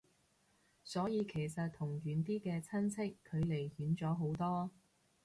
所以其實同遠啲嘅親戚距離遠咗好多